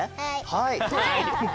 はい。